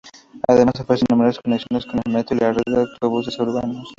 Además ofrece numerosas conexiones con el metro y la red de autobuses urbanos.